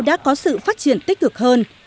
đã có sự phát triển tích cực hơn